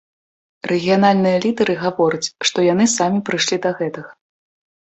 Рэгіянальныя лідары гавораць, што яны самі прыйшлі да гэтага.